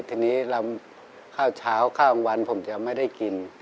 ทีนี้ลำข้าวเช้าข้าวกลางวันผมจะไม่ได้กิน